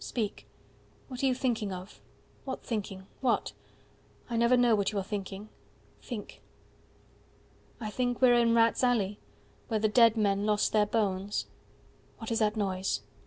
Speak. What are you thinking of? What thinking? What? I never know what you are thinking. Think." I think we are in rats' alley 115 Where the dead men lost their bones. "What is that noise?"